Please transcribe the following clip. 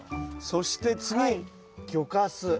そして次魚かす。